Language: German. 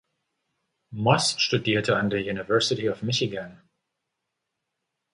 Moss studierte an der University of Michigan.